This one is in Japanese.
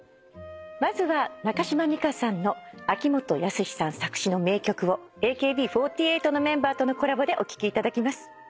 まずは中島美嘉さんの秋元康さん作詞の名曲をＡＫＢ４８のメンバーとのコラボでお聴きいただきます。